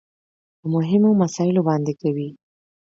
په مهمو مسايلو باندې کوي .